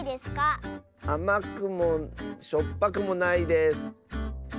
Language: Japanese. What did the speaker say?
あまくもしょっぱくもないです。